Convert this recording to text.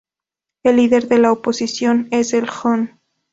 El líder de la oposición es el Hon.